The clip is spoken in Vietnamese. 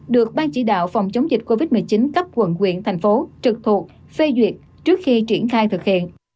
được ban chỉ đạo phòng chống dịch covid một mươi chín cấp quận quyện thành phố trực thuộc phê duyệt trước khi triển khai thực hiện